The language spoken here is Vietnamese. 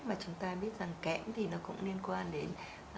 mà chúng ta biết rằng kẽm thì nó cũng liên quan đến